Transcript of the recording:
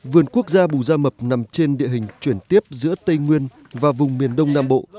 vườn quốc gia bù gia mập nằm trên địa hình chuyển tiếp giữa tây nguyên và vùng miền đông nam bộ